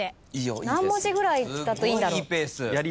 何文字ぐらいだといいんだろう。